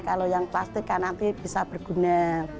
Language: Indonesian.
kalau yang plastik kan nanti bisa berguna